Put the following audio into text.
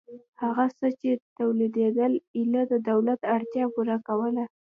هغه څه چې تولیدېدل ایله د دولت اړتیا پوره کوله